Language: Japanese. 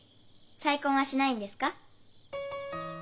再婚はしないんですか？